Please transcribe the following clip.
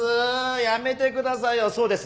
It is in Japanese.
やめてくださいよそうです